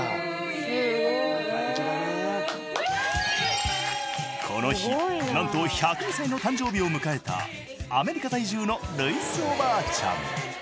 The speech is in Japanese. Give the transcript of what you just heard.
すごい！この日なんと１０２歳の誕生日を迎えたアメリカ在住のルイスおばあちゃん。